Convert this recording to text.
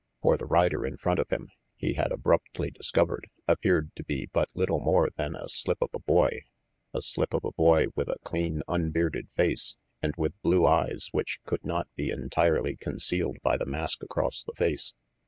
For the rider in front of him, he had abruptly discovered, appeared to be but little more than a slip of a boy a slip of a boy, with a clean, unbearded face and with blue eyes which could not be entirely concealed by the mask across the face.